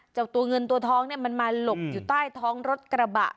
เจ้าตัวเงินตัวทองเนี่ยมันมาหลบอยู่ใต้ท้องรถกระบะ